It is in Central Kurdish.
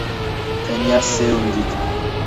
تەنیا سێوم دیت.